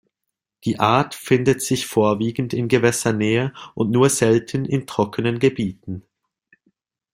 Die Art findet sich vorwiegend in Gewässernähe und nur selten in trockenen Gebieten.